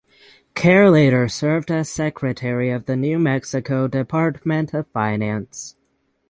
Kerr later served as secretary of the New Mexico Department of Finance.